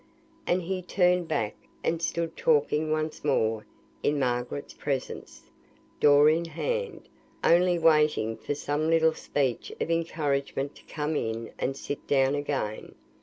And he turned back, and stood talking once more in Margaret's presence, door in hand, only waiting for some little speech of encouragement to come in and sit down again.